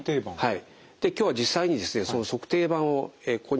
はい。